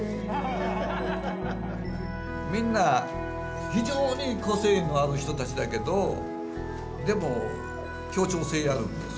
みんな非常に個性のある人たちだけどでも協調性あるんですよ。